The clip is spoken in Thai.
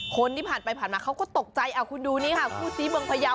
คนที่ผ่านไปผ่านมาเขาก็ตกใจคุณดูนี่ค่ะคู่ซีเมืองพยาว